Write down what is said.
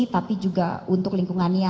tapi juga untuk lingkungannya